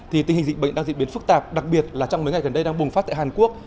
thì tình hình dịch bệnh đang diễn biến phức tạp đặc biệt là trong mấy ngày gần đây đang bùng phát tại hàn quốc